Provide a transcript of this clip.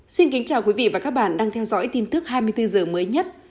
xin kính chào quý vị và các bạn đang theo dõi tin tức hai mươi bốn h mới nhất